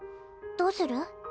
どうする？